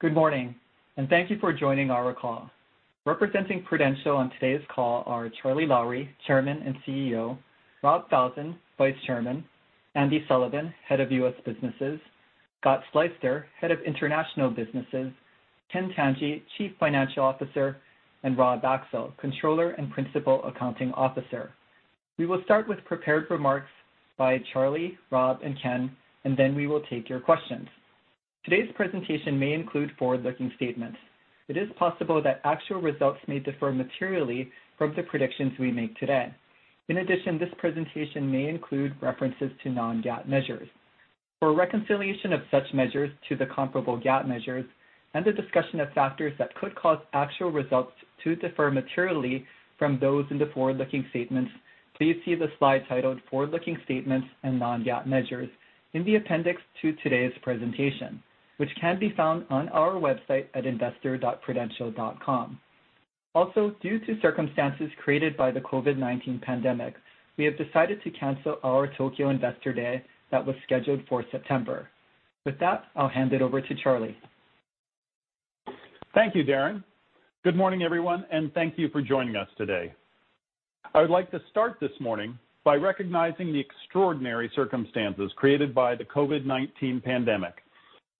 Good morning, and thank you for joining our call. Representing Prudential on today's call are Charlie Lowrey, Chairman and CEO, Rob Falzon, Vice Chairman, Andy Sullivan, Head of U.S. Businesses, Scott Sleyster, Head of International Businesses, Ken Tanji, Chief Financial Officer, and Rob Axel, Controller and Principal Accounting Officer. We will start with prepared remarks by Charlie, Rob, and Ken, and then we will take your questions. Today's presentation may include forward-looking statements. It is possible that actual results may differ materially from the predictions we make today. In addition, this presentation may include references to non-GAAP measures. For reconciliation of such measures to the comparable GAAP measures and the discussion of factors that could cause actual results to differ materially from those in the forward-looking statements, please see the slide titled "Forward-looking Statements and Non-GAAP Measures" in the appendix to today's presentation, which can be found on our website at investor.prudential.com. Also, due to circumstances created by the COVID-19 pandemic, we have decided to cancel our Tokyo Investor Day that was scheduled for September. With that, I'll hand it over to Charlie. Thank you, Darin. Good morning, everyone, and thank you for joining us today. I would like to start this morning by recognizing the extraordinary circumstances created by the COVID-19 pandemic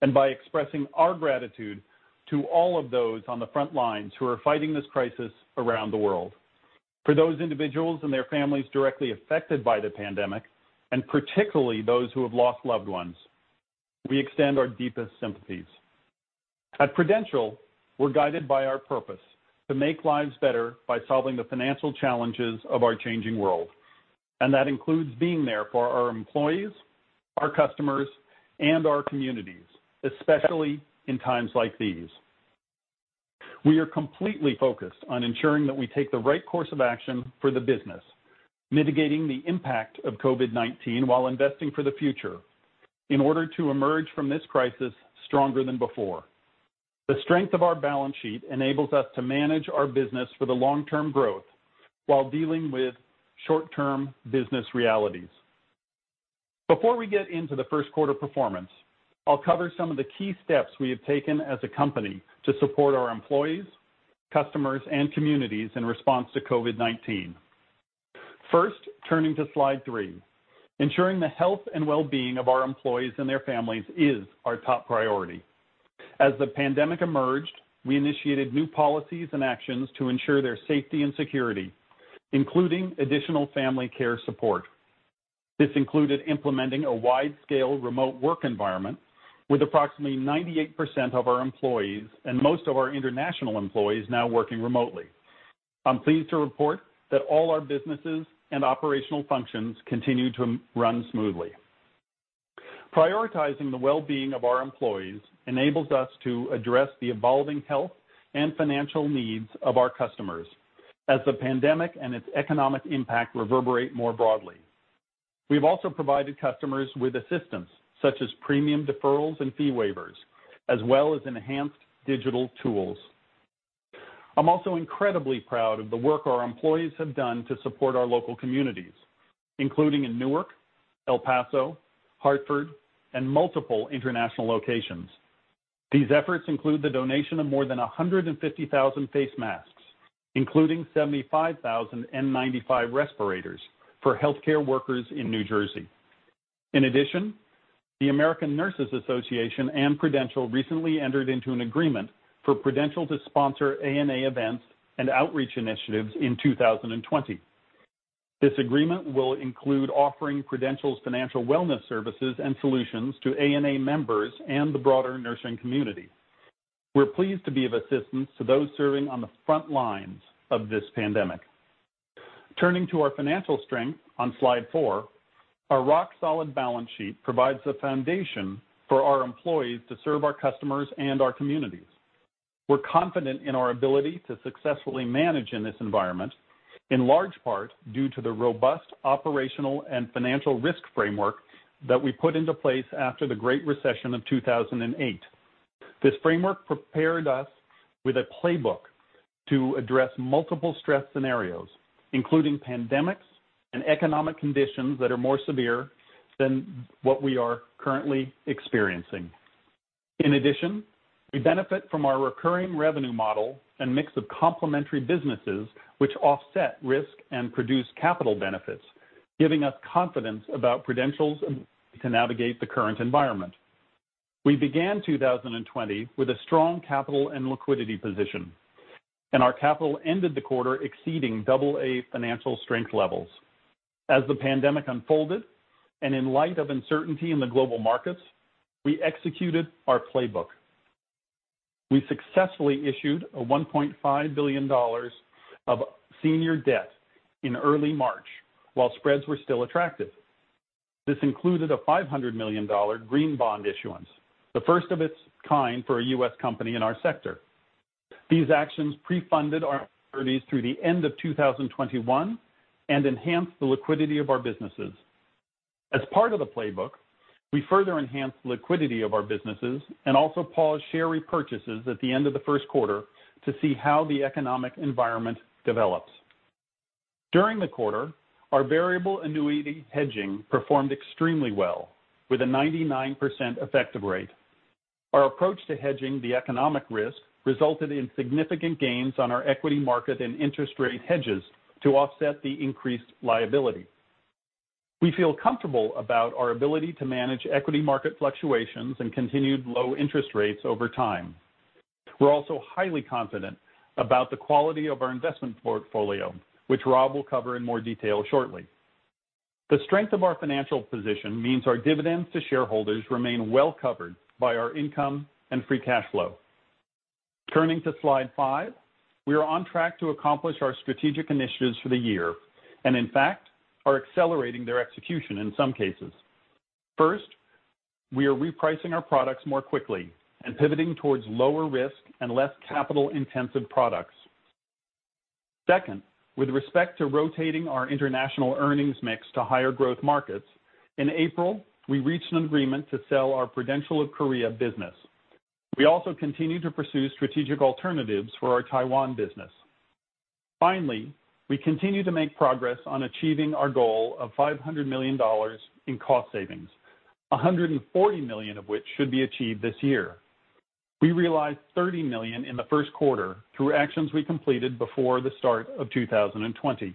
and by expressing our gratitude to all of those on the front lines who are fighting this crisis around the world. For those individuals and their families directly affected by the pandemic, and particularly those who have lost loved ones, we extend our deepest sympathies. At Prudential, we're guided by our purpose to make lives better by solving the financial challenges of our changing world, and that includes being there for our employees, our customers, and our communities, especially in times like these. We are completely focused on ensuring that we take the right course of action for the business, mitigating the impact of COVID-19 while investing for the future in order to emerge from this crisis stronger than before. The strength of our balance sheet enables us to manage our business for the long-term growth while dealing with short-term business realities. Before we get into the first quarter performance, I'll cover some of the key steps we have taken as a company to support our employees, customers, and communities in response to COVID-19. First, turning to slide three, ensuring the health and well-being of our employees and their families is our top priority. As the pandemic emerged, we initiated new policies and actions to ensure their safety and security, including additional family care support. This included implementing a wide-scale remote work environment with approximately 98% of our employees and most of our international employees now working remotely. I'm pleased to report that all our businesses and operational functions continue to run smoothly. Prioritizing the well-being of our employees enables us to address the evolving health and financial needs of our customers as the pandemic and its economic impact reverberate more broadly. We have also provided customers with assistance, such as premium deferrals and fee waivers, as well as enhanced digital tools. I'm also incredibly proud of the work our employees have done to support our local communities, including in Newark, El Paso, Hartford, and multiple international locations. These efforts include the donation of more than 150,000 face masks, including 75,000 N95 respirators, for healthcare workers in New Jersey. In addition, the American Nurses Association and Prudential recently entered into an agreement for Prudential to sponsor ANA events and outreach initiatives in 2020. This agreement will include offering Prudential's financial wellness services and solutions to ANA members and the broader nursing community. We're pleased to be of assistance to those serving on the front lines of this pandemic. Turning to our financial strength on slide four, our rock-solid balance sheet provides the foundation for our employees to serve our customers and our communities. We're confident in our ability to successfully manage in this environment, in large part due to the robust operational and financial risk framework that we put into place after the Great Recession of 2008. This framework prepared us with a playbook to address multiple stress scenarios, including pandemics and economic conditions that are more severe than what we are currently experiencing. In addition, we benefit from our recurring revenue model and mix of complementary businesses, which offset risk and produce capital benefits, giving us confidence about Prudential's ability to navigate the current environment. We began 2020 with a strong capital and liquidity position, and our capital ended the quarter exceeding AA financial strength levels. As the pandemic unfolded and in light of uncertainty in the global markets, we executed our playbook. We successfully issued a $1.5 billion of senior debt in early March while spreads were still attractive. This included a $500 million green bond issuance, the first of its kind for a U.S. company in our sector. These actions pre-funded our priorities through the end of 2021 and enhanced the liquidity of our businesses. As part of the playbook, we further enhanced the liquidity of our businesses and also paused share repurchases at the end of the first quarter to see how the economic environment develops. During the quarter, our variable annuity hedging performed extremely well, with a 99% effective rate. Our approach to hedging the economic risk resulted in significant gains on our equity market and interest rate hedges to offset the increased liability. We feel comfortable about our ability to manage equity market fluctuations and continued low interest rates over time. We're also highly confident about the quality of our investment portfolio, which Rob will cover in more detail shortly. The strength of our financial position means our dividends to shareholders remain well covered by our income and free cash flow. Turning to slide five, we are on track to accomplish our strategic initiatives for the year and, in fact, are accelerating their execution in some cases. First, we are repricing our products more quickly and pivoting towards lower risk and less capital-intensive products. Second, with respect to rotating our international earnings mix to higher growth markets, in April, we reached an agreement to sell our Prudential of Korea business. We also continue to pursue strategic alternatives for our Taiwan business. Finally, we continue to make progress on achieving our goal of $500 million in cost savings, $140 million of which should be achieved this year. We realized $30 million in the first quarter through actions we completed before the start of 2020.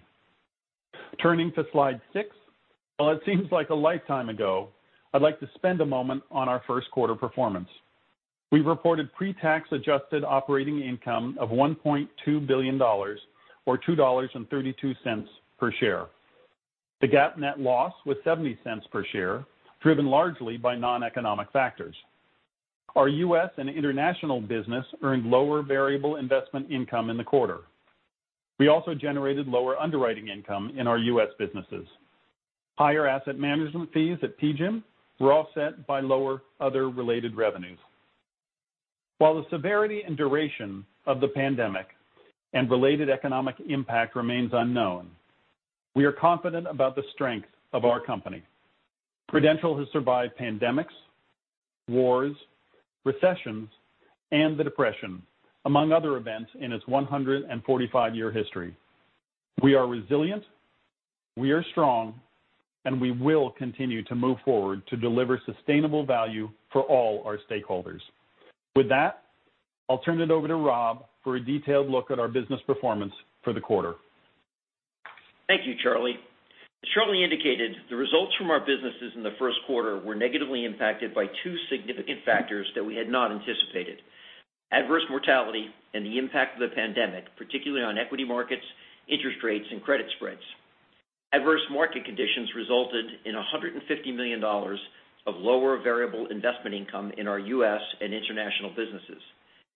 Turning to slide six, while it seems like a lifetime ago, I'd like to spend a moment on our first quarter performance. We reported pre-tax adjusted operating income of $1.2 billion, or $2.32 per share. The GAAP net loss was $0.70 per share, driven largely by non-economic factors. Our U.S. and international business earned lower variable investment income in the quarter. We also generated lower underwriting income in our U.S. businesses. Higher asset management fees at PGIM were offset by lower other related revenues. While the severity and duration of the pandemic and related economic impact remains unknown, we are confident about the strength of our company. Prudential has survived pandemics, wars, recessions, and the depression, among other events in its 145-year history. We are resilient, we are strong, and we will continue to move forward to deliver sustainable value for all our stakeholders. With that, I'll turn it over to Rob for a detailed look at our business performance for the quarter. Thank you, Charlie. As Charlie indicated, the results from our businesses in the first quarter were negatively impacted by two significant factors that we had not anticipated: adverse mortality and the impact of the pandemic, particularly on equity markets, interest rates, and credit spreads. Adverse market conditions resulted in $150 million of lower variable investment income in our U.S. and international businesses,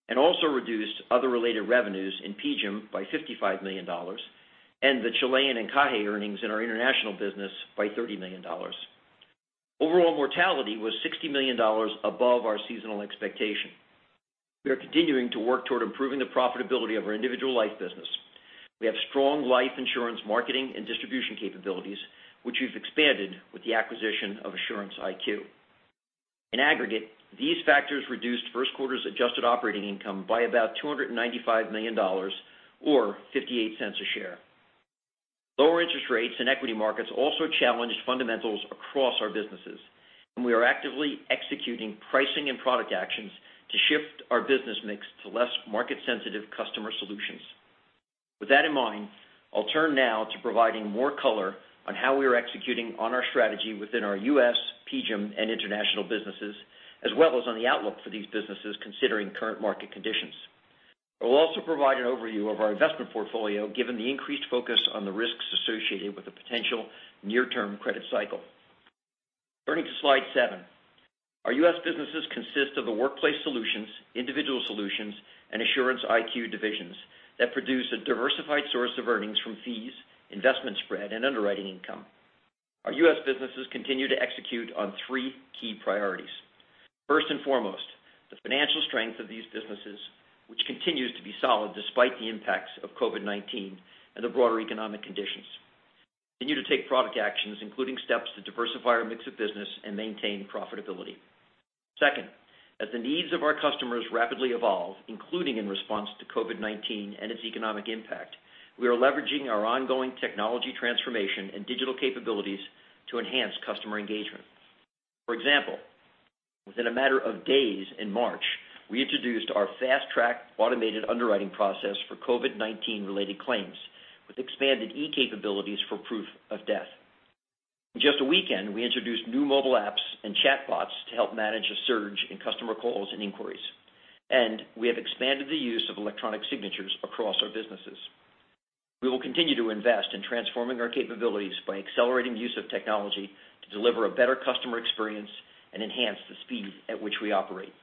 and also reduced other related revenues in PGIM by $55 million and the Chilean encaje earnings in our international business by $30 million. Overall mortality was $60 million above our seasonal expectation. We are continuing to work toward improving the profitability of our individual life business. We have strong life insurance marketing and distribution capabilities, which we've expanded with the acquisition of Assurance IQ. In aggregate, these factors reduced first quarter's adjusted operating income by about $295 million, or $0.58 a share. Lower interest rates and equity markets also challenged fundamentals across our businesses, and we are actively executing pricing and product actions to shift our business mix to less market-sensitive customer solutions. With that in mind, I'll turn now to providing more color on how we are executing on our strategy within our U.S., PGIM, and international businesses, as well as on the outlook for these businesses considering current market conditions. I will also provide an overview of our investment portfolio given the increased focus on the risks associated with the potential near-term credit cycle. Turning to slide seven, our U.S. businesses consist of the workplace solutions, individual solutions, and Assurance IQ divisions that produce a diversified source of earnings from fees, investment spread, and underwriting income. Our U.S. businesses continue to execute on three key priorities. First and foremost, the financial strength of these businesses, which continues to be solid despite the impacts of COVID-19 and the broader economic conditions, continue to take product actions, including steps to diversify our mix of business and maintain profitability. Second, as the needs of our customers rapidly evolve, including in response to COVID-19 and its economic impact, we are leveraging our ongoing technology transformation and digital capabilities to enhance customer engagement. For example, within a matter of days in March, we introduced our fast-track automated underwriting process for COVID-19-related claims with expanded e-capabilities for proof of death. In just a weekend, we introduced new mobile apps and chatbots to help manage a surge in customer calls and inquiries, and we have expanded the use of electronic signatures across our businesses. We will continue to invest in transforming our capabilities by accelerating the use of technology to deliver a better customer experience and enhance the speed at which we operate.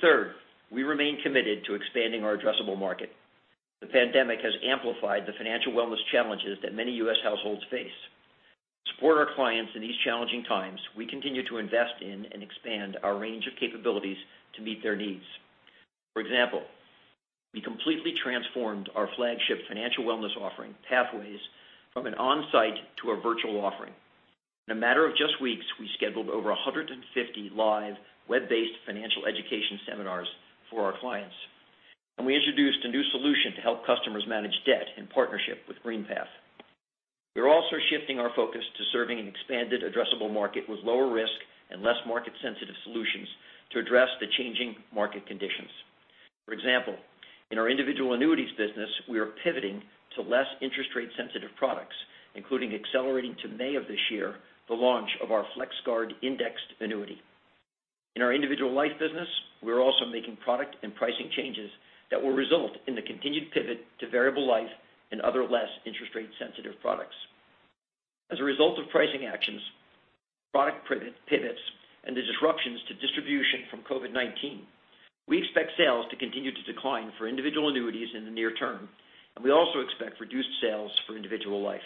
Third, we remain committed to expanding our addressable market. The pandemic has amplified the financial wellness challenges that many U.S. households face. To support our clients in these challenging times, we continue to invest in and expand our range of capabilities to meet their needs. For example, we completely transformed our flagship financial wellness offering, Pathways, from an onsite to a virtual offering. In a matter of just weeks, we scheduled over 150 live, web-based financial education seminars for our clients, and we introduced a new solution to help customers manage debt in partnership with GreenPath. We are also shifting our focus to serving an expanded addressable market with lower risk and less market-sensitive solutions to address the changing market conditions. For example, in our individual annuities business, we are pivoting to less interest rate-sensitive products, including accelerating to May of this year the launch of our FlexGuard Indexed Annuity. In our individual life business, we are also making product and pricing changes that will result in the continued pivot to variable life and other less interest rate-sensitive products. As a result of pricing actions, product pivots, and the disruptions to distribution from COVID-19, we expect sales to continue to decline for individual annuities in the near term, and we also expect reduced sales for individual life.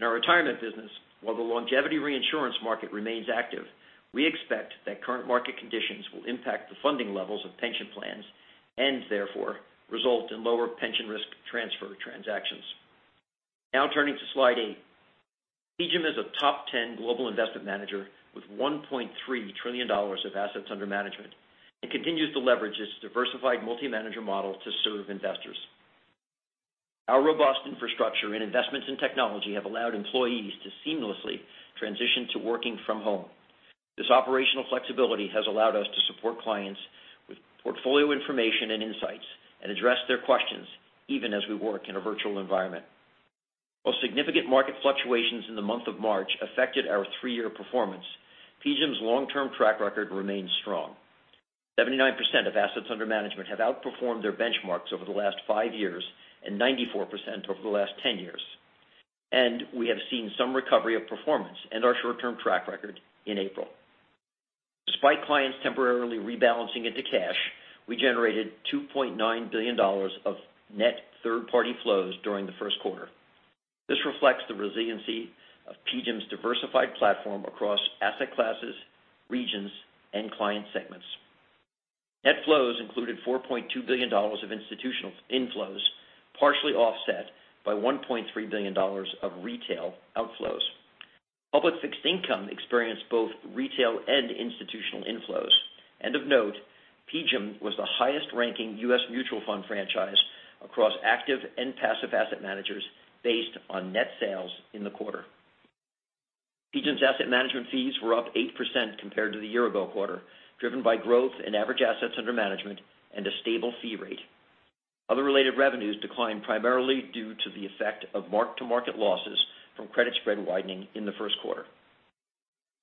In our retirement business, while the longevity reinsurance market remains active, we expect that current market conditions will impact the funding levels of pension plans and, therefore, result in lower pension risk transfer transactions. Now turning to slide eight, PGIM is a top 10 global investment manager with $1.3 trillion of assets under management and continues to leverage its diversified multi-manager model to serve investors. Our robust infrastructure in investments and technology has allowed employees to seamlessly transition to working from home. This operational flexibility has allowed us to support clients with portfolio information and insights and address their questions even as we work in a virtual environment. While significant market fluctuations in the month of March affected our three-year performance, PGIM's long-term track record remains strong. 79% of assets under management have outperformed their benchmarks over the last five years and 94% over the last 10 years, and we have seen some recovery of performance in our short-term track record in April. Despite clients temporarily rebalancing into cash, we generated $2.9 billion of net third-party flows during the first quarter. This reflects the resiliency of PGIM's diversified platform across asset classes, regions, and client segments. Net flows included $4.2 billion of institutional inflows, partially offset by $1.3 billion of retail outflows. Public fixed income experienced both retail and institutional inflows. Of note, PGIM was the highest-ranking U.S. mutual fund franchise across active and passive asset managers based on net sales in the quarter. PGIM's asset management fees were up 8% compared to the year-ago quarter, driven by growth in average assets under management and a stable fee rate. Other related revenues declined primarily due to the effect of mark-to-market losses from credit spread widening in the first quarter.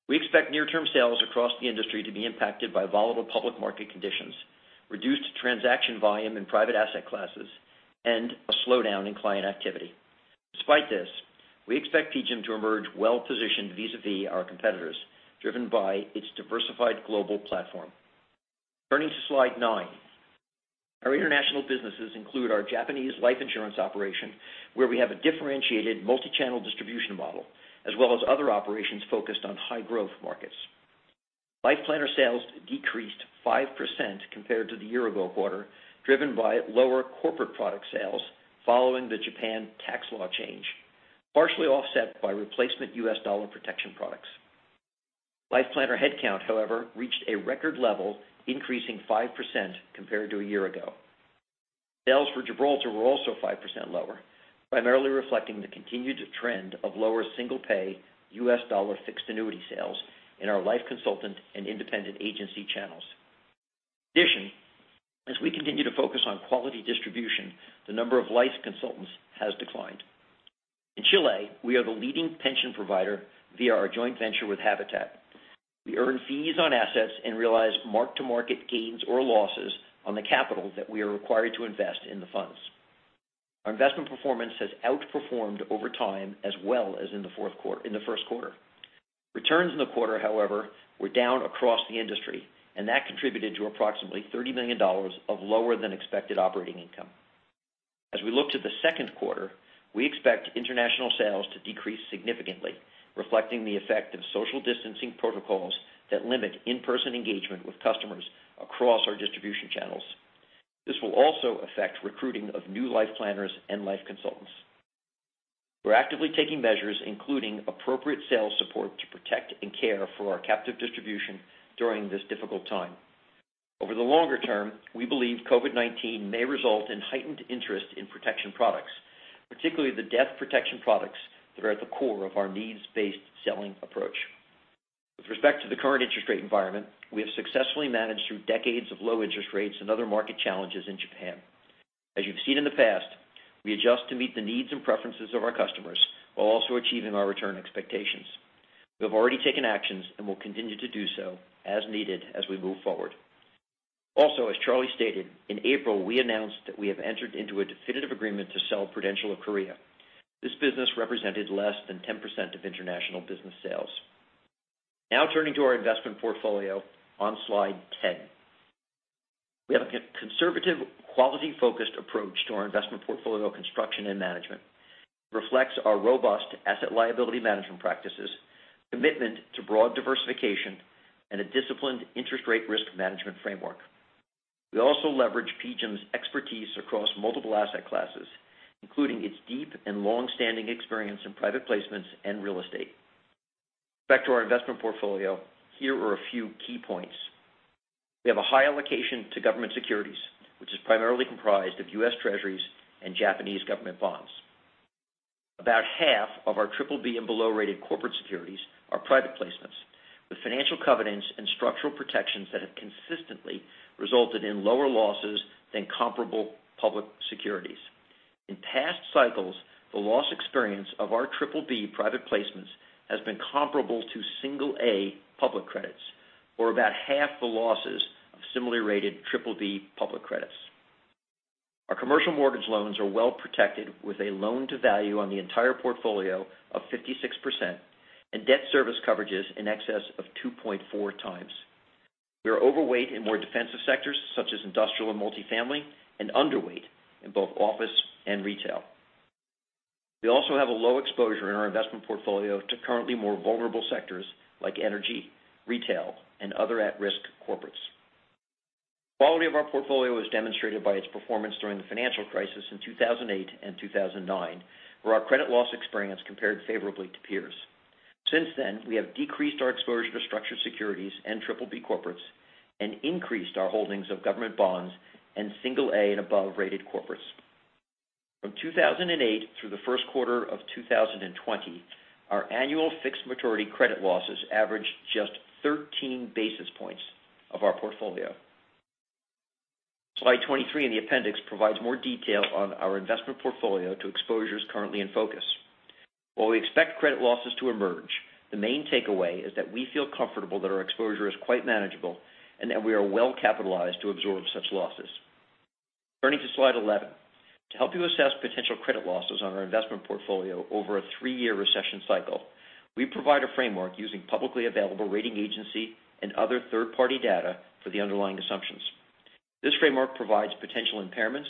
We expect near-term sales across the industry to be impacted by volatile public market conditions, reduced transaction volume in private asset classes, and a slowdown in client activity. Despite this, we expect PGIM to emerge well-positioned vis-à-vis our competitors, driven by its diversified global platform. Turning to slide nine, our international businesses include our Japanese life insurance operation, where we have a differentiated multi-channel distribution model, as well as other operations focused on high-growth markets. Life planner sales decreased 5% compared to the year-ago quarter, driven by lower corporate product sales following the Japan tax law change, partially offset by replacement U.S. dollar protection products. Life planner headcount, however, reached a record level, increasing 5% compared to a year ago. Sales for Gibraltar were also 5% lower, primarily reflecting the continued trend of lower single-pay U.S. dollar fixed annuity sales in our life consultant and independent agency channels. In addition, as we continue to focus on quality distribution, the number of life consultants has declined. In Chile, we are the leading pension provider via our joint venture with Habitat. We earn fees on assets and realize mark-to-market gains or losses on the capital that we are required to invest in the funds. Our investment performance has outperformed over time as well as in the first quarter. Returns in the quarter, however, were down across the industry, and that contributed to approximately $30 million of lower-than-expected operating income. As we look to the second quarter, we expect international sales to decrease significantly, reflecting the effect of social distancing protocols that limit in-person engagement with customers across our distribution channels. This will also affect recruiting of new life planners and life consultants. We are actively taking measures, including appropriate sales support to protect and care for our captive distribution during this difficult time. Over the longer term, we believe COVID-19 may result in heightened interest in protection products, particularly the death protection products that are at the core of our needs-based selling approach. With respect to the current interest rate environment, we have successfully managed through decades of low interest rates and other market challenges in Japan. As you have seen in the past, we adjust to meet the needs and preferences of our customers while also achieving our return expectations. We have already taken actions and will continue to do so as needed as we move forward. Also, as Charlie stated, in April, we announced that we have entered into a definitive agreement to sell Prudential of Korea. This business represented less than 10% of international business sales. Now turning to our investment portfolio on slide 10, we have a conservative, quality-focused approach to our investment portfolio construction and management. It reflects our robust asset liability management practices, commitment to broad diversification, and a disciplined interest rate risk management framework. We also leverage PGIM's expertise across multiple asset classes, including its deep and long-standing experience in private placements and real estate. Back to our investment portfolio, here are a few key points. We have a high allocation to government securities, which is primarily comprised of U.S. Treasuries and Japanese government bonds. About half of our BBB and below-rated corporate securities are private placements, with financial covenants and structural protections that have consistently resulted in lower losses than comparable public securities. In past cycles, the loss experience of our BBB private placements has been comparable to single-A public credits, or about half the losses of similarly rated BBB public credits. Our commercial mortgage loans are well protected with a loan-to-value on the entire portfolio of 56% and debt service coverages in excess of 2.4 times. We are overweight in more defensive sectors such as industrial and multifamily and underweight in both office and retail. We also have a low exposure in our investment portfolio to currently more vulnerable sectors like energy, retail, and other at-risk corporates. The quality of our portfolio is demonstrated by its performance during the financial crisis in 2008 and 2009, where our credit loss experience compared favorably to peers. Since then, we have decreased our exposure to structured securities and BBB corporates and increased our holdings of government bonds and single-A and above-rated corporates. From 2008 through the first quarter of 2020, our annual fixed maturity credit losses averaged just 13 basis points of our portfolio. Slide 23 in the appendix provides more detail on our investment portfolio to exposures currently in focus. While we expect credit losses to emerge, the main takeaway is that we feel comfortable that our exposure is quite manageable and that we are well capitalized to absorb such losses. Turning to slide 11, to help you assess potential credit losses on our investment portfolio over a three-year recession cycle, we provide a framework using publicly available rating agency and other third-party data for the underlying assumptions. This framework provides potential impairments,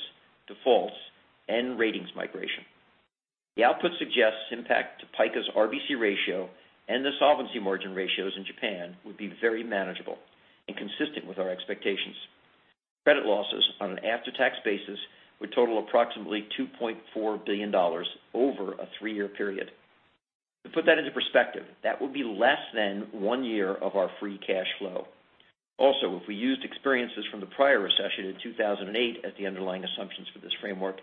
defaults, and ratings migration. The output suggests impact to PICA's RBC ratio and the solvency margin ratios in Japan would be very manageable and consistent with our expectations. Credit losses on an after-tax basis would total approximately $2.4 billion over a three-year period. To put that into perspective, that would be less than one year of our free cash flow. Also, if we used experiences from the prior recession in 2008 as the underlying assumptions for this framework,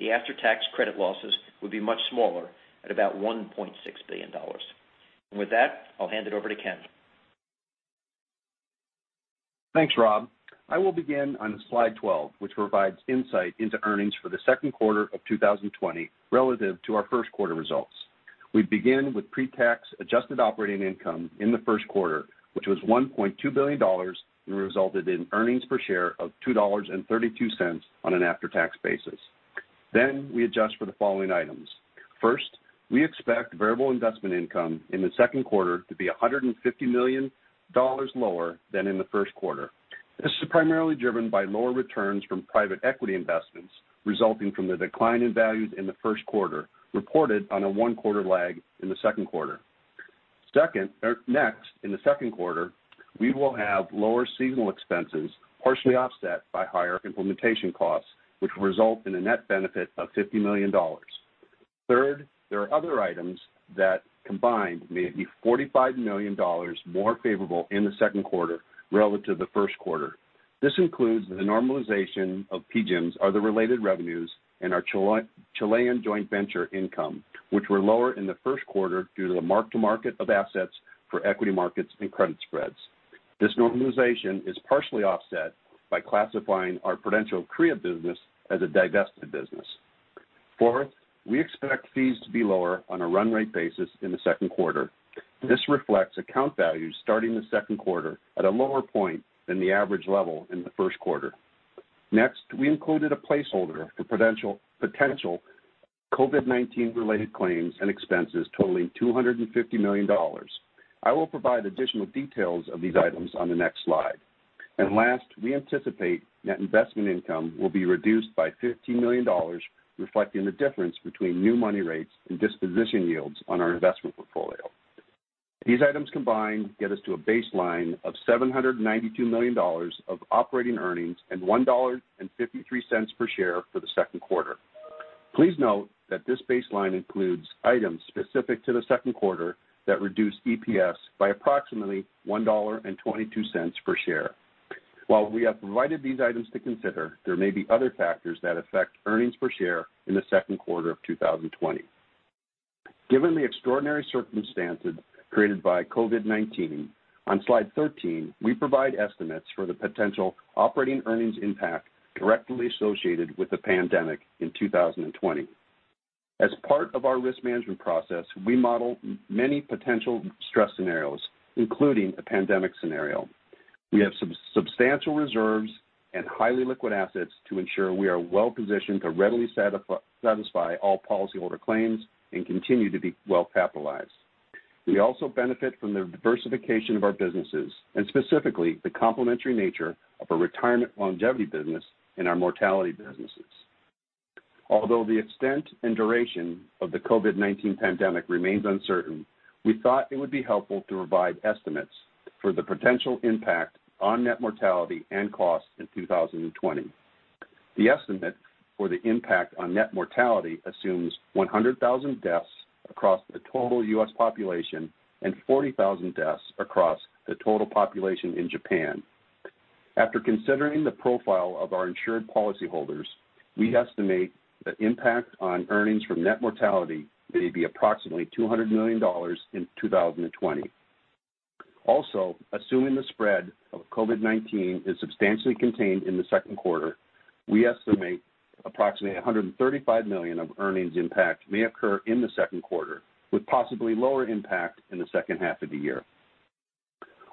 the after-tax credit losses would be much smaller at about $1.6 billion. With that, I'll hand it over to Ken. Thanks, Rob. I will begin on slide 12, which provides insight into earnings for the second quarter of 2020 relative to our first quarter results. We begin with pre-tax adjusted operating income in the first quarter, which was $1.2 billion and resulted in earnings per share of $2.32 on an after-tax basis. We adjust for the following items. First, we expect variable investment income in the second quarter to be $150 million lower than in the first quarter. This is primarily driven by lower returns from private equity investments resulting from the decline in values in the first quarter reported on a one-quarter lag in the second quarter. Next, in the second quarter, we will have lower seasonal expenses partially offset by higher implementation costs, which will result in a net benefit of $50 million. Third, there are other items that combined may be $45 million more favorable in the second quarter relative to the first quarter. This includes the normalization of PGIM's other related revenues and our Chilean joint venture income, which were lower in the first quarter due to the mark-to-market of assets for equity markets and credit spreads. This normalization is partially offset by classifying our Prudential of Korea business as a divested business. Fourth, we expect fees to be lower on a run-rate basis in the second quarter. This reflects account values starting the second quarter at a lower point than the average level in the first quarter. Next, we included a placeholder for potential COVID-19-related claims and expenses totaling $250 million. I will provide additional details of these items on the next slide. Last, we anticipate that investment income will be reduced by $15 million, reflecting the difference between new money rates and disposition yields on our investment portfolio. These items combined get us to a baseline of $792 million of operating earnings and $1.53 per share for the second quarter. Please note that this baseline includes items specific to the second quarter that reduce EPS by approximately $1.22 per share. While we have provided these items to consider, there may be other factors that affect earnings per share in the second quarter of 2020. Given the extraordinary circumstances created by COVID-19, on slide 13, we provide estimates for the potential operating earnings impact directly associated with the pandemic in 2020. As part of our risk management process, we model many potential stress scenarios, including a pandemic scenario. We have substantial reserves and highly liquid assets to ensure we are well-positioned to readily satisfy all policyholder claims and continue to be well capitalized. We also benefit from the diversification of our businesses and specifically the complementary nature of our retirement longevity business and our mortality businesses. Although the extent and duration of the COVID-19 pandemic remains uncertain, we thought it would be helpful to provide estimates for the potential impact on net mortality and costs in 2020. The estimate for the impact on net mortality assumes 100,000 deaths across the total U.S. population and 40,000 deaths across the total population in Japan. After considering the profile of our insured policyholders, we estimate the impact on earnings from net mortality may be approximately $200 million in 2020. Also, assuming the spread of COVID-19 is substantially contained in the second quarter, we estimate approximately $135 million of earnings impact may occur in the second quarter, with possibly lower impact in the second half of the year.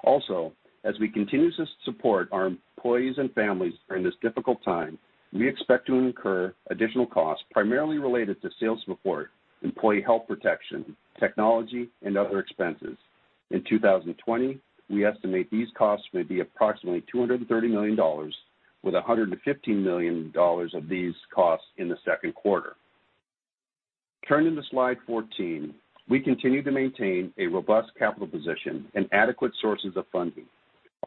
Also, as we continue to support our employees and families during this difficult time, we expect to incur additional costs primarily related to sales support, employee health protection, technology, and other expenses. In 2020, we estimate these costs may be approximately $230 million, with $115 million of these costs in the second quarter. Turning to slide 14, we continue to maintain a robust capital position and adequate sources of funding.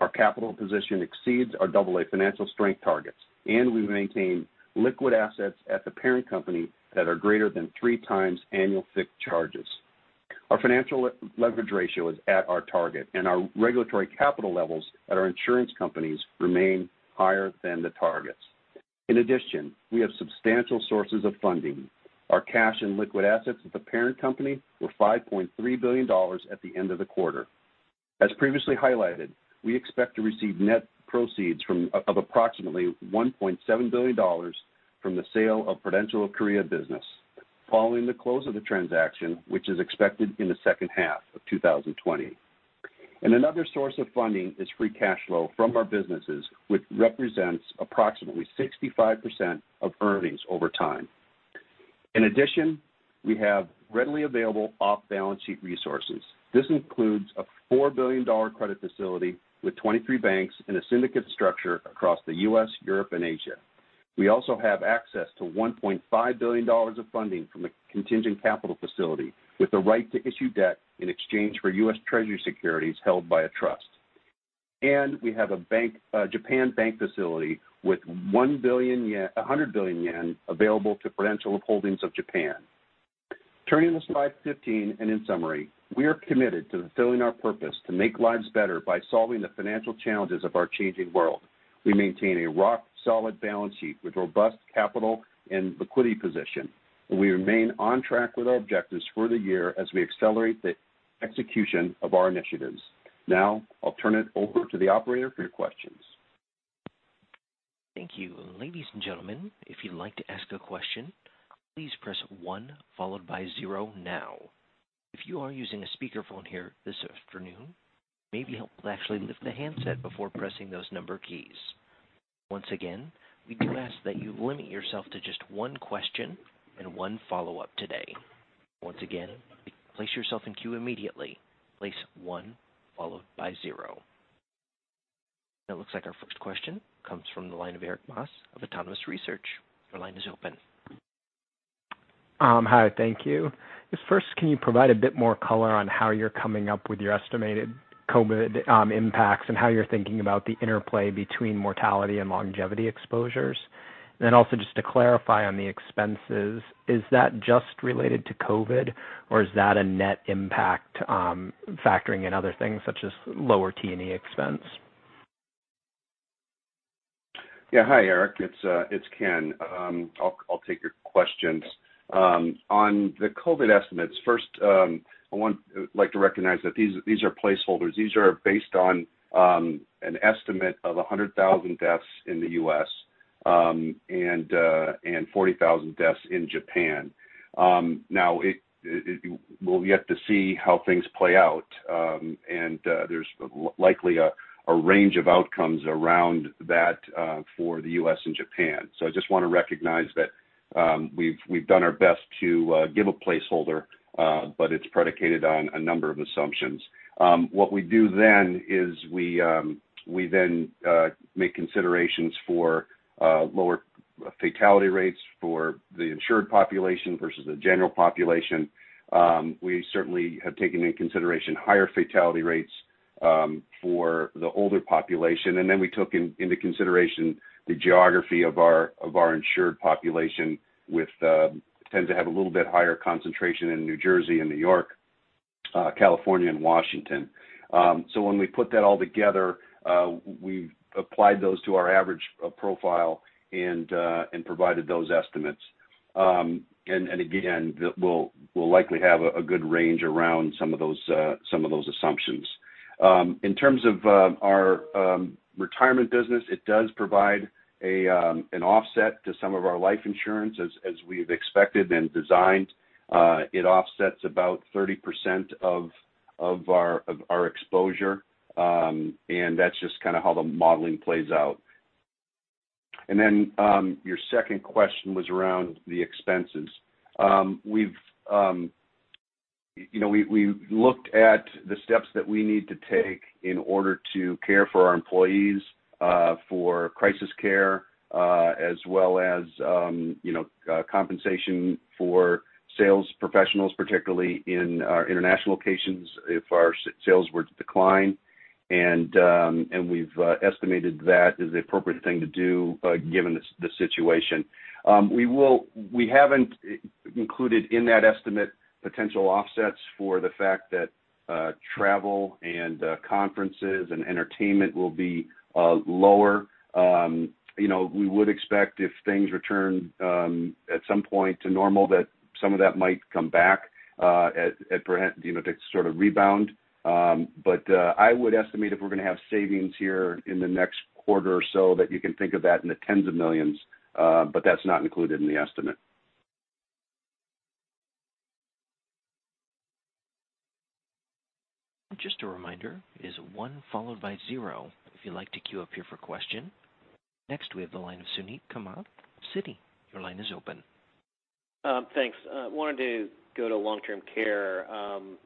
Our capital position exceeds our AA financial strength targets, and we maintain liquid assets at the parent company that are greater than three times annual fixed charges. Our financial leverage ratio is at our target, and our regulatory capital levels at our insurance companies remain higher than the targets. In addition, we have substantial sources of funding. Our cash and liquid assets at the parent company were $5.3 billion at the end of the quarter. As previously highlighted, we expect to receive net proceeds of approximately $1.7 billion from the sale of Prudential of Korea business following the close of the transaction, which is expected in the second half of 2020. Another source of funding is free cash flow from our businesses, which represents approximately 65% of earnings over time. In addition, we have readily available off-balance sheet resources. This includes a $4 billion credit facility with 23 banks and a syndicate structure across the U.S., Europe, and Asia. We also have access to $1.5 billion of funding from a contingent capital facility with the right to issue debt in exchange for U.S. Treasury Securities held by a Trust. We have a Japan bank facility with 100 billion yen available to Prudential of Holdings of Japan. Turning to slide 15 and in summary, we are committed to fulfilling our purpose to make lives better by solving the financial challenges of our changing world. We maintain a rock-solid balance sheet with robust capital and liquidity position, and we remain on track with our objectives for the year as we accelerate the execution of our initiatives. Now, I'll turn it over to the operator for your questions. Thank you. Ladies and gentlemen, if you'd like to ask a question, please press one followed by zero now. If you are using a speakerphone here this afternoon, maybe help will actually lift the handset before pressing those number keys. Once again, we do ask that you limit yourself to just one question and one follow-up today. Once again, please place yourself in queue immediately. Press one followed by zero. That looks like our first question comes from the line of Erik Bass of Autonomous Research. Your line is open. Hi, thank you. First, can you provide a bit more color on how you're coming up with your estimated COVID impacts and how you're thinking about the interplay between mortality and longevity exposures? Also, just to clarify on the expenses, is that just related to COVID, or is that a net impact factoring in other things such as lower T&E expense? Yeah. Hi, Erik. It's Ken. I'll take your questions. On the COVID estimates, first, I'd like to recognize that these are placeholders. These are based on an estimate of 100,000 deaths in the U.S. and 40,000 deaths in Japan. Now, we'll get to see how things play out, and there's likely a range of outcomes around that for the U.S. and Japan. I just want to recognize that we've done our best to give a placeholder, but it's predicated on a number of assumptions. What we do then is we then make considerations for lower fatality rates for the insured population versus the general population. We certainly have taken into consideration higher fatality rates for the older population. We took into consideration the geography of our insured population, which tends to have a little bit higher concentration in New Jersey and New York, California, and Washington. When we put that all together, we've applied those to our average profile and provided those estimates. Again, we'll likely have a good range around some of those assumptions. In terms of our retirement business, it does provide an offset to some of our life insurance, as we've expected and designed. It offsets about 30% of our exposure, and that's just kind of how the modeling plays out. Your second question was around the expenses. We've looked at the steps that we need to take in order to care for our employees, for crisis care, as well as compensation for sales professionals, particularly in our international locations if our sales were to decline. We have estimated that is the appropriate thing to do given the situation. We have not included in that estimate potential offsets for the fact that travel and conferences and entertainment will be lower. We would expect if things return at some point to normal that some of that might come back to sort of rebound. I would estimate if we are going to have savings here in the next quarter or so that you can think of that in the tens of millions, but that is not included in the estimate. Just a reminder, it is one followed by zero if you would like to queue up here for question. Next, we have the line of Suneet Kamath of Citi. Your line is open. Thanks. I wanted to go to long-term care.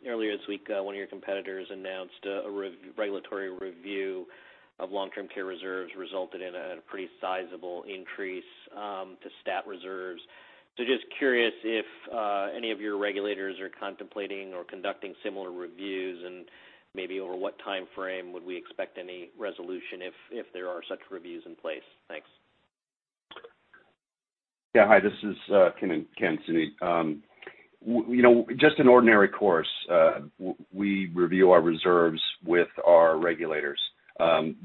Earlier this week, one of your competitors announced a regulatory review of long-term care reserves resulted in a pretty sizable increase to stat reserves. Just curious if any of your regulators are contemplating or conducting similar reviews, and maybe over what time frame would we expect any resolution if there are such reviews in place. Thanks. Yeah. Hi, this is Ken Tanji. Just in ordinary course, we review our reserves with our regulators, and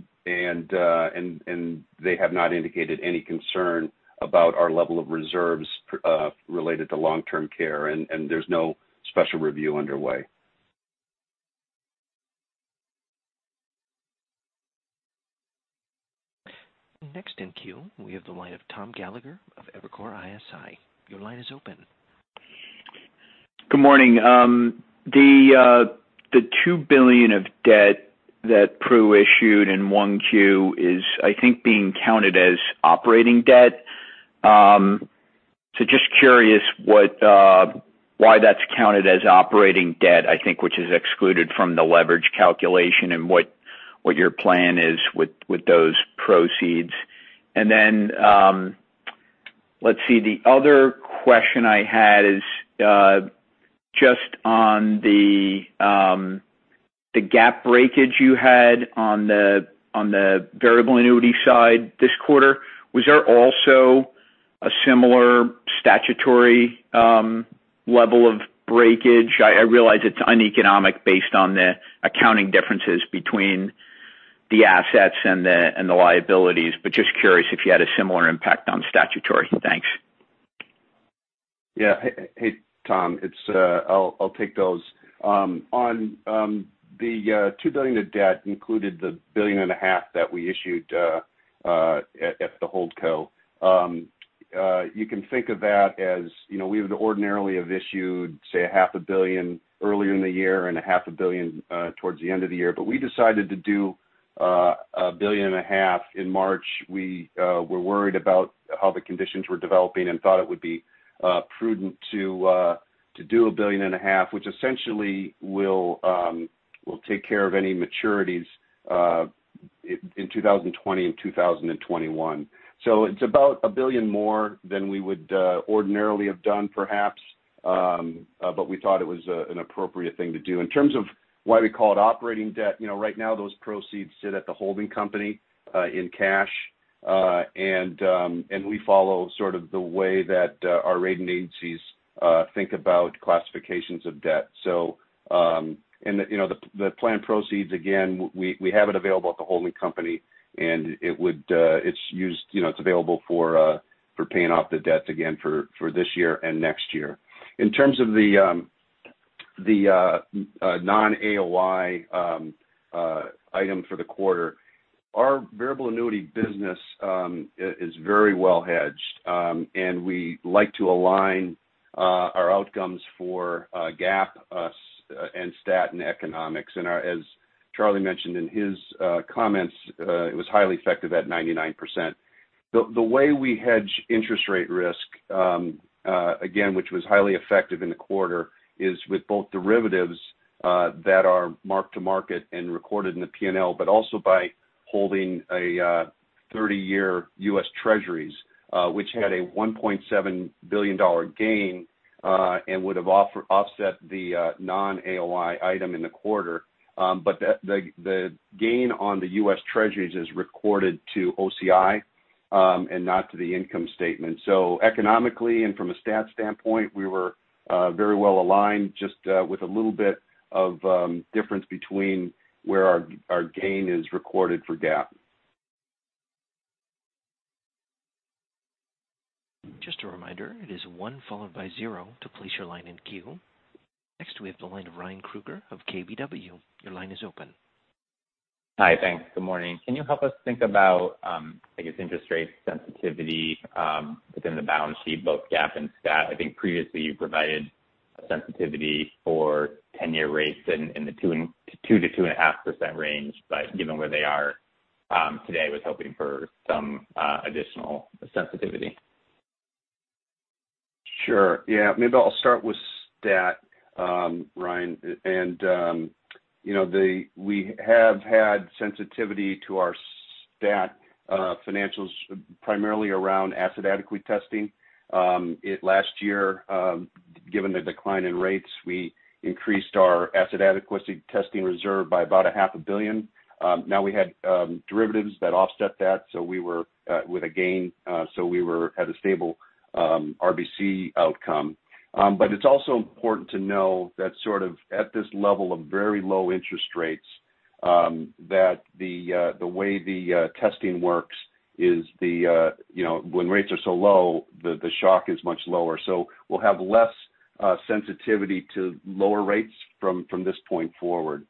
they have not indicated any concern about our level of reserves related to long-term care, and there's no special review underway. Next in queue, we have the line of Tom Gallagher of Evercore ISI. Your line is open. Good morning. The $2 billion of debt that Pru issued in 1Q is, I think, being counted as operating debt. Just curious why that's counted as operating debt, I think, which is excluded from the leverage calculation and what your plan is with those proceeds. The other question I had is just on the gap breakage you had on the variable annuity side this quarter. Was there also a similar statutory level of breakage? I realize it's uneconomic based on the accounting differences between the assets and the liabilities, but just curious if you had a similar impact on statutory. Thanks. Yeah. Hey, Tom, I'll take those. On the $2 billion of debt included the $1.5 billion that we issued at the hold co. You can think of that as we have the ordinarily of issued, say, $500,000 earlier in the year and $500,000 towards the end of the year. We decided to do $1.5 billion. In March, we were worried about how the conditions were developing and thought it would be prudent to do $1.5 billion, which essentially will take care of any maturities in 2020 and 2021. It is about $1 billion more than we would ordinarily have done, perhaps, but we thought it was an appropriate thing to do. In terms of why we call it operating debt, right now those proceeds sit at the holding company in cash, and we follow the way that our rating agencies think about classifications of debt. The planned proceeds, again, we have it available at the holding company, and it is available for paying off the debt again for this year and next year. In terms of the non-AOI item for the quarter, our variable annuity business is very well hedged, and we like to align our outcomes for GAAP and stat and economics. As Charlie mentioned in his comments, it was highly effective at 99%. The way we hedge interest rate risk, again, which was highly effective in the quarter, is with both derivatives that are marked to market and recorded in the P&L, but also by holding 30-year U.S. Treasuries, which had a $1.7 billion gain and would have offset the non-AOI item in the quarter. The gain on the U.S. Treasuries is recorded to OCI and not to the income statement. Economically and from a stat standpoint, we were very well aligned, just with a little bit of difference between where our gain is recorded for GAAP. Just a reminder, it is one followed by zero to place your line in queue. Next, we have the line of Ryan Krueger of KBW. Your line is open. Hi, thanks. Good morning. Can you help us think about, I guess, interest rate sensitivity within the balance sheet, both GAAP and stat? I think previously you provided sensitivity for 10-year rates in the 2-2.5% range, but given where they are today, I was hoping for some additional sensitivity. Sure. Yeah. Maybe I'll start with stat, Ryan. We have had sensitivity to our stat financials primarily around asset adequacy testing. Last year, given the decline in rates, we increased our asset adequacy testing reserve by about $500,000,000. Now we had derivatives that offset that, so we were with a gain. We had a stable RBC outcome. It is also important to know that sort of at this level of very low interest rates, the way the testing works is when rates are so low, the shock is much lower. We will have less sensitivity to lower rates from this point forward.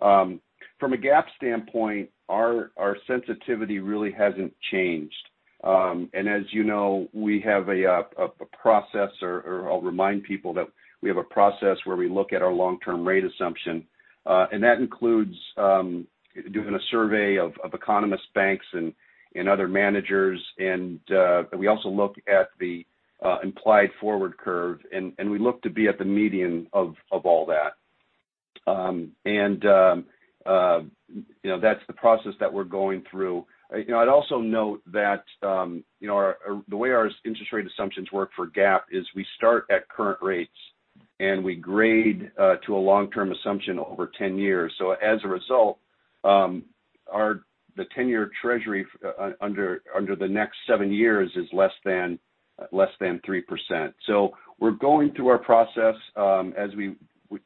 From a GAAP standpoint, our sensitivity really has not changed. As you know, we have a process, or I will remind people that we have a process where we look at our long-term rate assumption. That includes doing a survey of economists, banks, and other managers. We also look at the implied forward curve, and we look to be at the median of all that. That is the process that we are going through. I would also note that the way our interest rate assumptions work for GAAP is we start at current rates, and we grade to a long-term assumption over 10 years. As a result, the 10-year Treasury under the next seven years is less than 3%. We are going through our process as we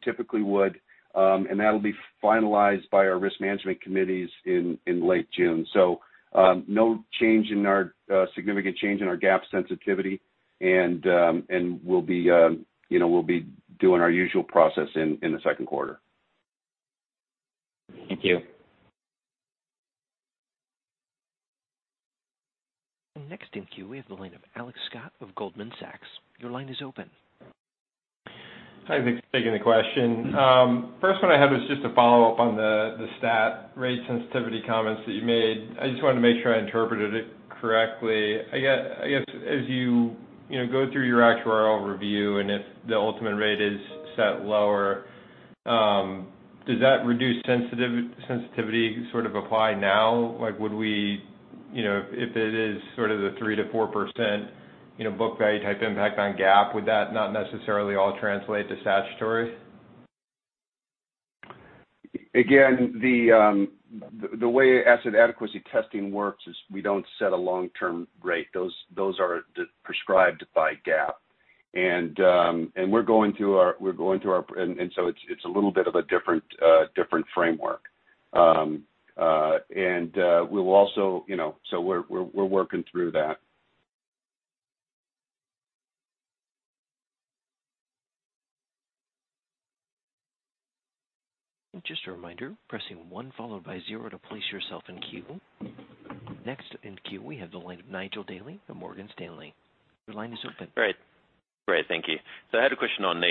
typically would, and that will be finalized by our risk management committees in late June. No significant change in our gap sensitivity, and we will be doing our usual process in the second quarter. Thank you. Next in queue, we have the line of Alex Scott of Goldman Sachs. Your line is open. Hi, thanks for taking the question. First one I had was just a follow-up on the stat rate sensitivity comments that you made. I just wanted to make sure I interpreted it correctly. I guess as you go through your actuarial review and if the ultimate rate is set lower, does that reduced sensitivity sort of apply now? Would we, if it is sort of the 3%-4% book value type impact on GAAP, would that not necessarily all translate to statutory? Again, the way asset adequacy testing works is we do not set a long-term rate. Those are prescribed by GAAP. We are going through our—and so it is a little bit of a different framework. We will also—so we are working through that. Just a reminder, pressing one followed by zero to place yourself in queue. Next in queue, we have the line of Nigel Dally of Morgan Stanley. Your line is open. Great. Great. Thank you. I had a question on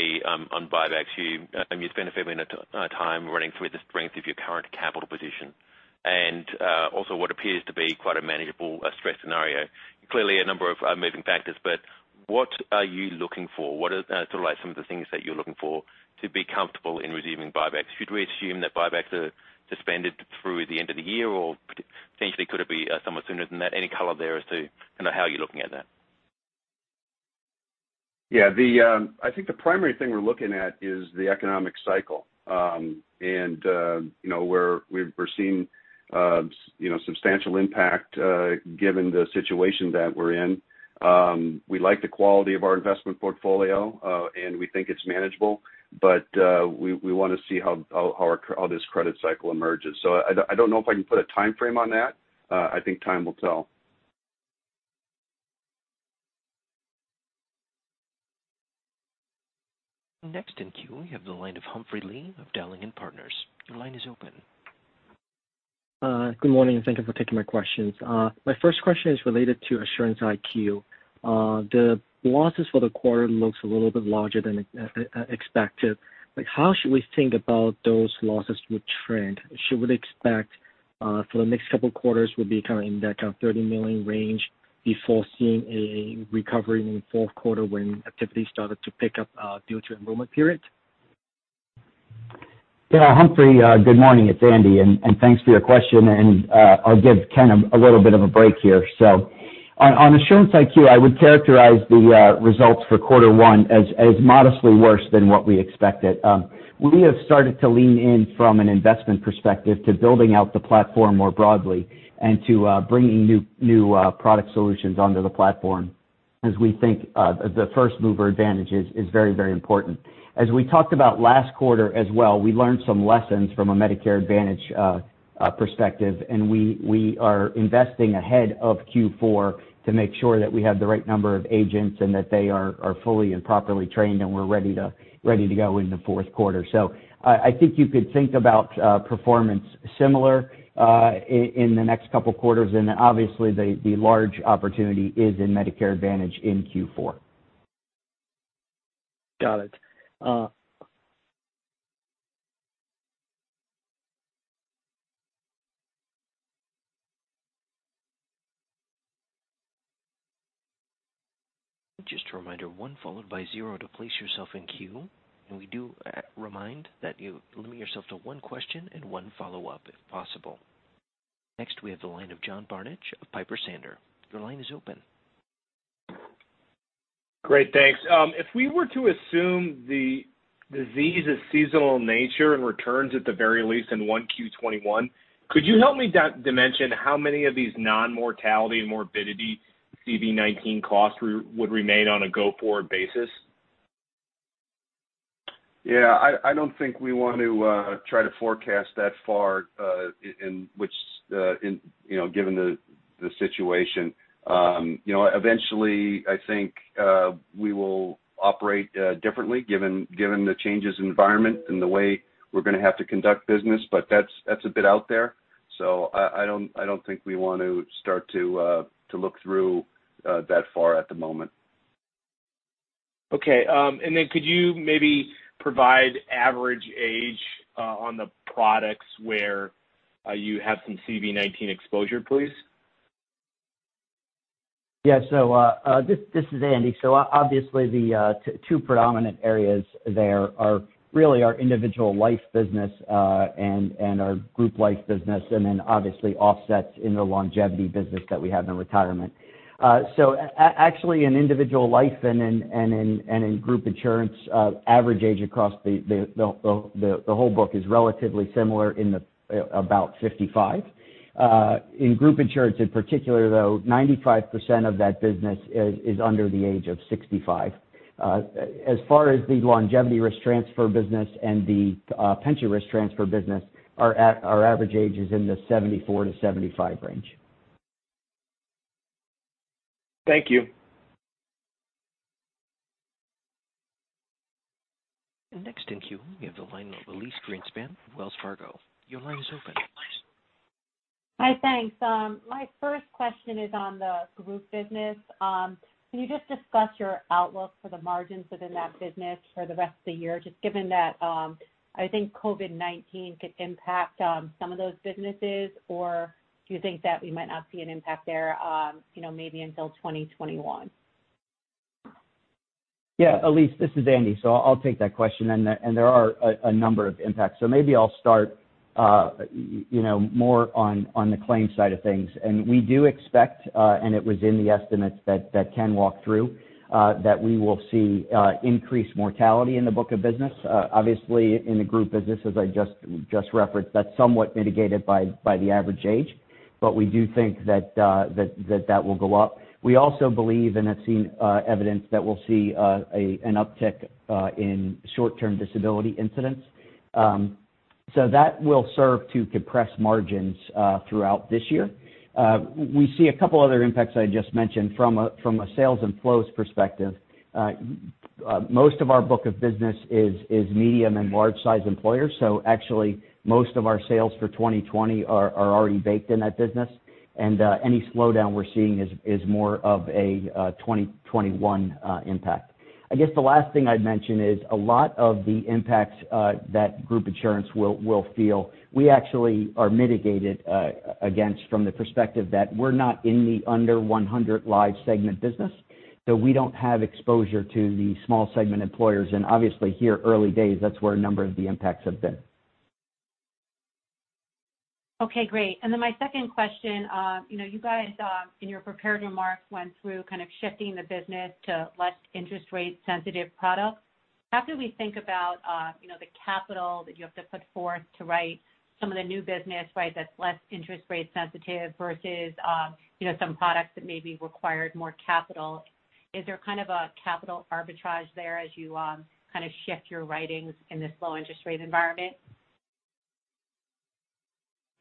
buybacks. You spent a fair bit of time running through the strength of your current capital position and also what appears to be quite a manageable stress scenario. Clearly, a number of moving factors, but what are you looking for? What are sort of some of the things that you're looking for to be comfortable in resuming buybacks? Should we assume that buybacks are suspended through the end of the year, or potentially could it be somewhat sooner than that? Any color there as to kind of how you're looking at that? Yeah. I think the primary thing we're looking at is the economic cycle. We are seeing substantial impact given the situation that we're in. We like the quality of our investment portfolio, and we think it's manageable, but we want to see how this credit cycle emerges. I don't know if I can put a timeframe on that. I think time will tell. Next in queue, we have the line of Humphrey Lee of Dowling & Partners. Your line is open. Good morning. Thank you for taking my questions. My first question is related to Assurance IQ.The losses for the quarter look a little bit larger than expected. How should we think about those losses with trend? Should we expect for the next couple of quarters we'll be kind of in that kind of $30 million range before seeing a recovery in the fourth quarter when activity started to pick up due to enrollment period? Yeah. Humphrey, good morning. It's Andy, and thanks for your question. I'll give Ken a little bit of a break here. On Assurance IQ, I would characterize the results for quarter one as modestly worse than what we expected. We have started to lean in from an investment perspective to building out the platform more broadly and to bringing new product solutions onto the platform as we think the first mover advantage is very, very important. As we talked about last quarter as well, we learned some lessons from a Medicare Advantage perspective, and we are investing ahead of Q4 to make sure that we have the right number of agents and that they are fully and properly trained and we are ready to go in the fourth quarter. I think you could think about performance similar in the next couple of quarters. Obviously, the large opportunity is in Medicare Advantage in Q4. Got it. Just a reminder, one followed by zero to place yourself in queue. We do remind that you limit yourself to one question and one follow-up if possible. Next, we have the line of John Barnidge of Piper Sandler. Your line is open. Great. Thanks.If we were to assume the disease is seasonal in nature and returns at the very least in one 1Q 2021, could you help me dimension how many of these non-mortality and morbidity CV-19 costs would remain on a go-forward basis? Yeah. I do not think we want to try to forecast that far in which, given the situation, eventually, I think we will operate differently given the changes in environment and the way we are going to have to conduct business. That is a bit out there. I do not think we want to start to look through that far at the moment. Okay. Could you maybe provide average age on the products where you have some CV-19 exposure, please? Yeah. This is Andy. Obviously, the two predominant areas there are really our individual life business and our group life business, and then obviously offsets in the longevity business that we have in retirement. Actually, in individual life and in group insurance, average age across the whole book is relatively similar in about 55. In group insurance in particular, though, 95% of that business is under the age of 65. As far as the longevity risk transfer business and the pension risk transfer business, our average age is in the 74-75 range. Thank you. Next in queue, we have the line of Elyse Greenspan of Wells Fargo. Your line is open. Hi, thanks. My first question is on the group business. Can you just discuss your outlook for the margins within that business for the rest of the year, just given that I think COVID-19 could impact some of those businesses, or do you think that we might not see an impact there maybe until 2021? Yeah. Elyse, this is Andy. I'll take that question. There are a number of impacts. Maybe I'll start more on the claim side of things. We do expect, and it was in the estimates that Ken walked through, that we will see increased mortality in the book of business. Obviously, in the group business, as I just referenced, that's somewhat mitigated by the average age. We do think that that will go up. We also believe, and I've seen evidence, that we'll see an uptick in short-term disability incidents. That will serve to compress margins throughout this year. We see a couple of other impacts I just mentioned from a sales and flows perspective. Most of our book of business is medium and large-sized employers. Actually, most of our sales for 2020 are already baked in that business. Any slowdown we're seeing is more of a 2021 impact. I guess the last thing I'd mention is a lot of the impacts that group insurance will feel, we actually are mitigated against from the perspective that we're not in the under 100 live segment business. We don't have exposure to the small segment employers. Obviously, here early days, that's where a number of the impacts have been. Okay. Great. Then my second question, you guys in your prepared remarks went through kind of shifting the business to less interest rate sensitive products. How do we think about the capital that you have to put forth to write some of the new business, right, that's less interest rate sensitive versus some products that maybe required more capital? Is there kind of a capital arbitrage there as you kind of shift your writings in this low interest rate environment?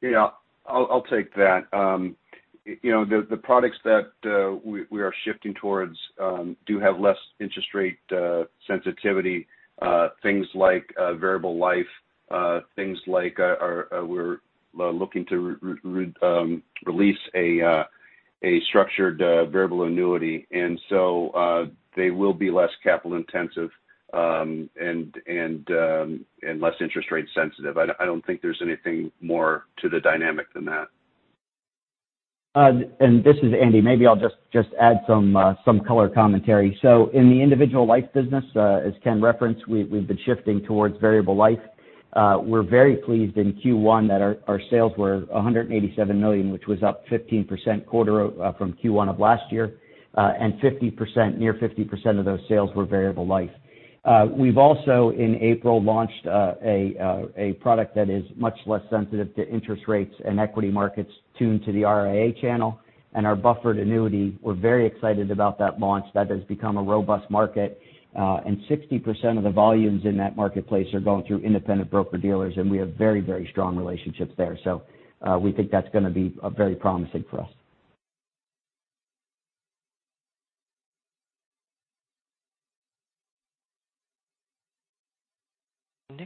Yeah. I'll take that. The products that we are shifting towards do have less interest rate sensitivity, things like variable life, things like we're looking to release a structured variable annuity. They will be less capital intensive and less interest rate sensitive. I don't think there's anything more to the dynamic than that. This is Andy. Maybe I'll just add some color commentary. In the individual life business, as Ken referenced, we've been shifting towards variable life. We're very pleased in Q1 that our sales were $187 million, which was up 15% quarter from Q1 of last year, and near 50% of those sales were variable life. We've also, in April, launched a product that is much less sensitive to interest rates and equity markets tuned to the RIA channel and our Buffered Annuity. We're very excited about that launch. That has become a robust market. 60% of the volumes in that marketplace are going through independent broker-dealers, and we have very, very strong relationships there. We think that's going to be very promising for us.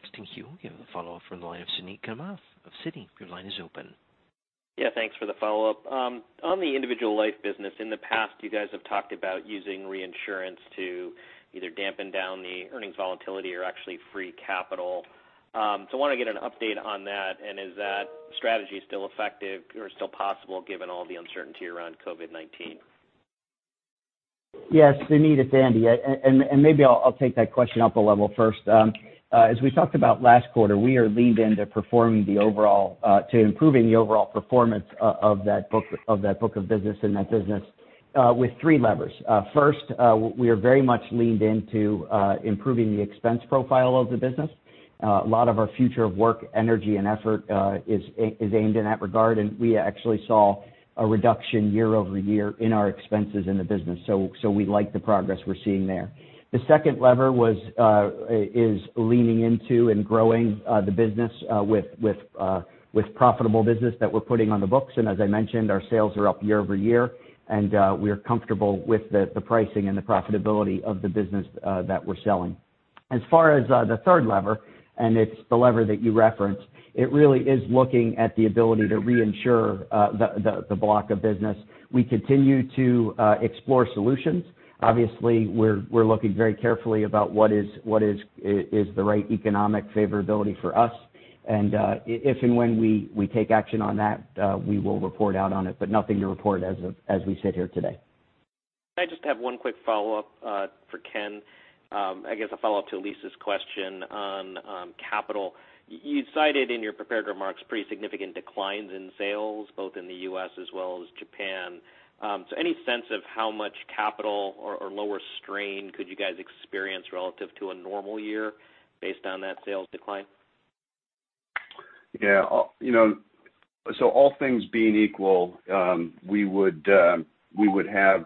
Next in queue, we have the follow-up from the line of Suneet Kamath of Citi. Your line is open. Yeah. Thanks for the follow-up. On the individual life business, in the past, you guys have talked about using reinsurance to either dampen down the earnings volatility or actually free capital. I want to get an update on that. Is that strategy still effective or still possible given all the uncertainty around COVID-19? Yes. Suneet, it's Andy. Maybe I'll take that question up a level first. As we talked about last quarter, we are leaned into improving the overall performance of that book of business in that business with three levers. First, we are very much leaned into improving the expense profile of the business. A lot of our future of work, energy, and effort is aimed in that regard. We actually saw a reduction year over year in our expenses in the business. We like the progress we're seeing there. The second lever is leaning into and growing the business with profitable business that we're putting on the books. As I mentioned, our sales are up year over year, and we're comfortable with the pricing and the profitability of the business that we're selling. As far as the third lever, and it's the lever that you referenced, it really is looking at the ability to reinsure the block of business. We continue to explore solutions. Obviously, we're looking very carefully about what is the right economic favorability for us. If and when we take action on that, we will report out on it, but nothing to report as we sit here today. I just have one quick follow-up for Ken. I guess a follow-up to Elyse's question on capital. You cited in your prepared remarks pretty significant declines in sales, both in the U.S. as well as Japan. Any sense of how much capital or lower strain could you guys experience relative to a normal year based on that sales decline? Yeah. All things being equal, we would have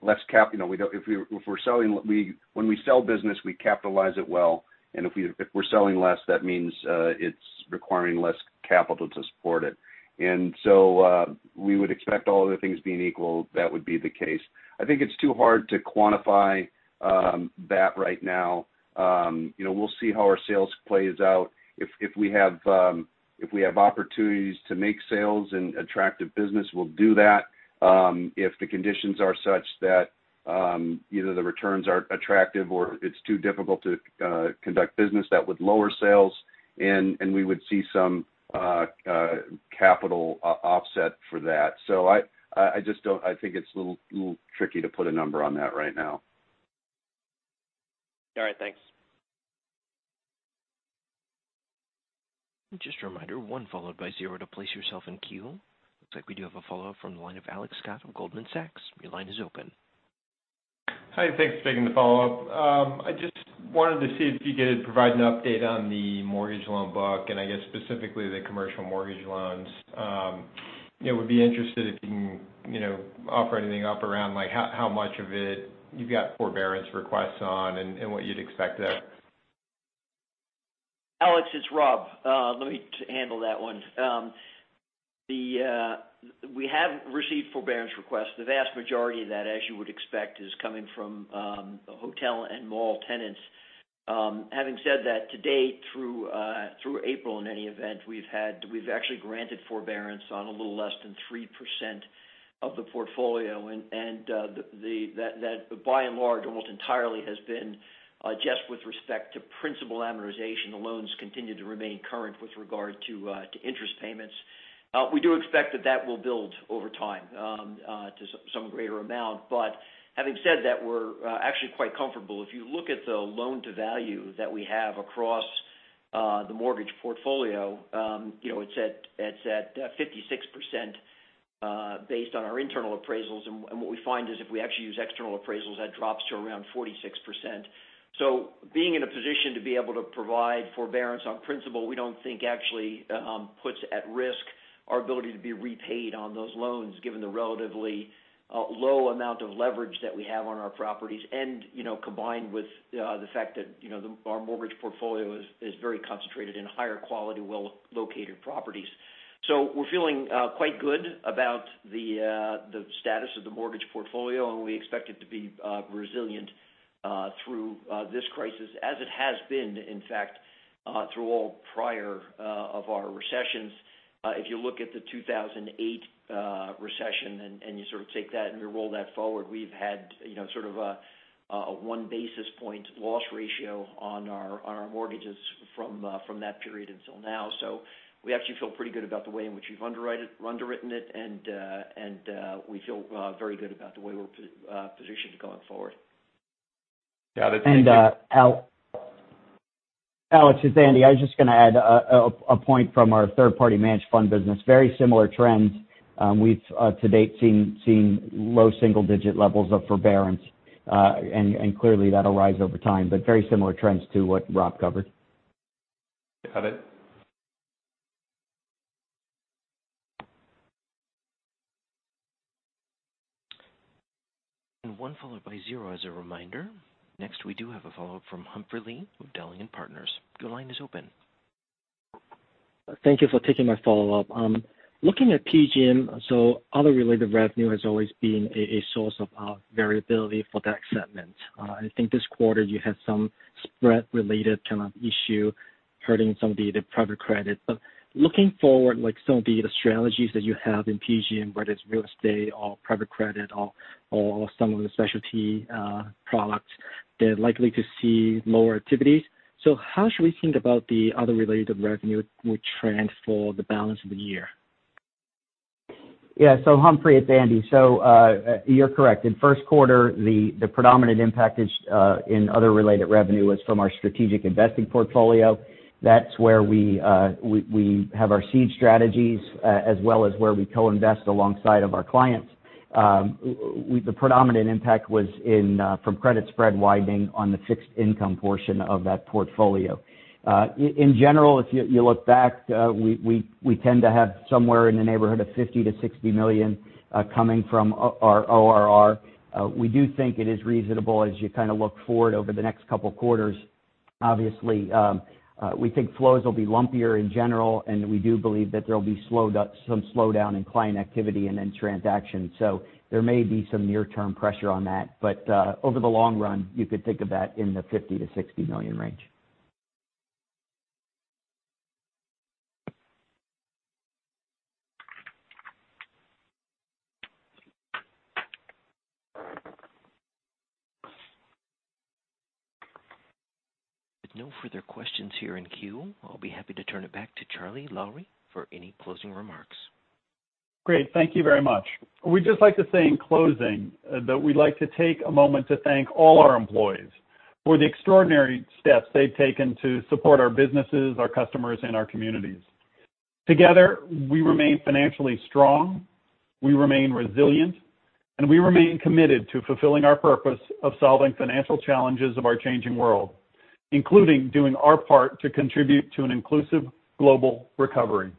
less capital. If we're selling, when we sell business, we capitalize it well. If we're selling less, that means it's requiring less capital to support it. We would expect, all other things being equal, that would be the case. I think it's too hard to quantify that right now. We'll see how our sales plays out. If we have opportunities to make sales and attractive business, we'll do that. If the conditions are such that either the returns are attractive or it's too difficult to conduct business, that would lower sales. We would see some capital offset for that. I just don't, I think it's a little tricky to put a number on that right now. All right. Thanks. Just a reminder, one followed by zero to place yourself in queue. Looks like we do have a follow-up from the line of Alex Scott of Goldman Sachs. Your line is open. Hi. Thanks for taking the follow-up. I just wanted to see if you could provide an update on the mortgage loan book and I guess specifically the commercial mortgage loans. I would be interested if you can offer anything up around how much of it you've got forbearance requests on and what you'd expect there. Alex, it's Rob. Let me handle that one. We have received forbearance requests. The vast majority of that, as you would expect, is coming from hotel and mall tenants. Having said that, to date, through April, in any event, we've actually granted forbearance on a little less than 3% of the portfolio. That, by and large, almost entirely has been just with respect to principal amortization. The loans continue to remain current with regard to interest payments. We do expect that that will build over time to some greater amount. Having said that, we're actually quite comfortable. If you look at the loan-to-value that we have across the mortgage portfolio, it's at 56% based on our internal appraisals. What we find is if we actually use external appraisals, that drops to around 46%. Being in a position to be able to provide forbearance on principal, we don't think actually puts at risk our ability to be repaid on those loans given the relatively low amount of leverage that we have on our properties. Combined with the fact that our mortgage portfolio is very concentrated in higher quality, well-located properties, we are feeling quite good about the status of the mortgage portfolio, and we expect it to be resilient through this crisis as it has been, in fact, through all prior recessions. If you look at the 2008 recession and you sort of take that and you roll that forward, we have had sort of a one basis point loss ratio on our mortgages from that period until now. We actually feel pretty good about the way in which we have underwritten it, and we feel very good about the way we are positioned going forward. Yeah. That is interesting. Alex, it is Andy. I was just going to add a point from our third-party managed fund business. Very similar trends. We have to date seen low single-digit levels of forbearance. Clearly, that'll rise over time. Very similar trends to what Rob covered. Got it. One follow-up by zero as a reminder. Next, we do have a follow-up from Humphrey Lee with Dowling & Partners. Your line is open. Thank you for taking my follow-up. Looking at PGIM, other related revenue has always been a source of variability for that segment. I think this quarter you had some spread-related kind of issue hurting some of the private credit. Looking forward, some of the strategies that you have in PGIM, whether it's real estate or private credit or some of the specialty products, they're likely to see lower activities. How should we think about the other related revenue with trend for the balance of the year? Yeah. Humphrey, it's Andy. You're correct. In first quarter, the predominant impact in other related revenue was from our strategic investing portfolio. That's where we have our seed strategies as well as where we co-invest alongside of our clients. The predominant impact was from credit spread widening on the fixed income portion of that portfolio. In general, if you look back, we tend to have somewhere in the neighborhood of $50 million-$60 million coming from our ORR. We do think it is reasonable as you kind of look forward over the next couple of quarters. Obviously, we think flows will be lumpier in general. We do believe that there'll be some slowdown in client activity and in transactions. There may be some near-term pressure on that. Over the long run, you could think of that in the $50 million-$60 million range. No further questions here in queue. I'll be happy to turn it back to Charlie Lowrey for any closing remarks. Great. Thank you very much. We'd just like to say in closing that we'd like to take a moment to thank all our employees for the extraordinary steps they've taken to support our businesses, our customers, and our communities. Together, we remain financially strong, we remain resilient, and we remain committed to fulfilling our purpose of solving financial challenges of our changing world, including doing our part to contribute to an inclusive global recovery.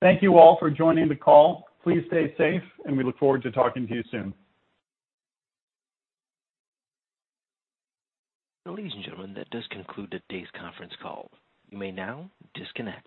Thank you all for joining the call. Please stay safe, and we look forward to talking to you soon. Ladies and gentlemen, that does conclude today's conference call. You may now disconnect.